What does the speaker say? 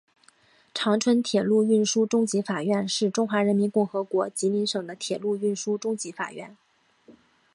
长春铁路运输中级法院是中华人民共和国吉林省的铁路运输中级法院。